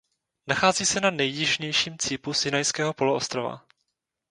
Nachází se na nejjižnějším cípu Sinajského poloostrova.